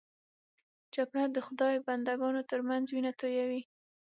جګړه د خدای بنده ګانو تر منځ وینه تویوي